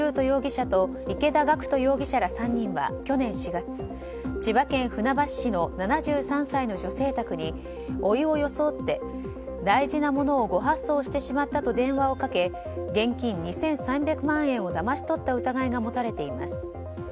容疑者と池田学人容疑者らは去年４月千葉県船橋市の７３歳の女性宅においを装って大事なものを誤発送してしまったと電話をかけ、現金２３００万円をだまし取った疑いが持たれています。